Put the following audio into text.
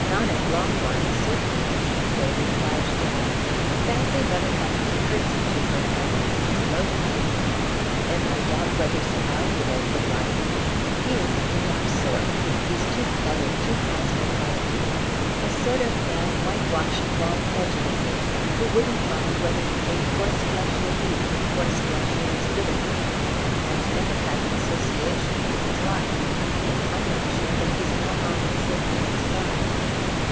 "Not at Longbarns certainly, I should say," replied John. "Fancy mother having to curtsey to her as Mrs. Lopez! And I doubt whether Sir Alured would like him. He isn't of our sort. He's too clever, too cosmopolitan, a sort of man white washed of all prejudices, who wouldn't mind whether he ate horseflesh or beef if horseflesh were as good as beef, and never had an association in his life. I'm not sure that he's not on the safest side.